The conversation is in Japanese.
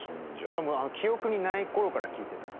これもう記憶にない頃から聴いてた。